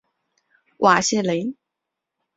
瓦谢雷。